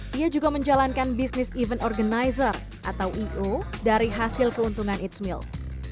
dia juga menjalankan business event organizer atau i o dari hasil keuntungan it's milk